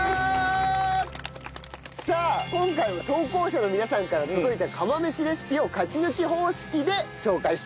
さあ今回は投稿者の皆さんから届いた釜飯レシピを勝ち抜き方式で紹介していきたいと思います。